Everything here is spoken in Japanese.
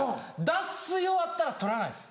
脱水終わったら取らないんです。